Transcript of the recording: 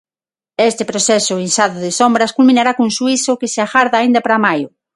Este proceso inzado de sombras culminará cun xuízo que se agarda aínda para maio.